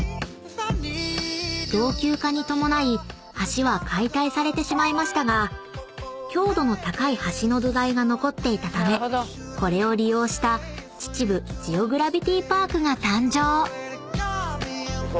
［老朽化に伴い橋は解体されてしまいましたが強度の高い橋の土台が残っていたためこれを利用した秩父ジオグラビティパークが誕生］